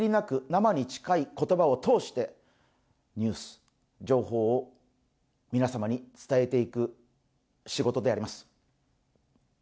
生に近い言葉を通してニュース、情報を皆様に伝えていく仕事であります。